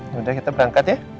yaudah kita berangkat ya